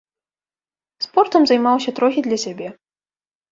Спортам займаўся трохі для сябе.